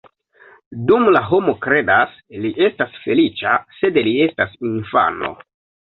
Dum la homo kredas, li estas feliĉa, sed li estas infano.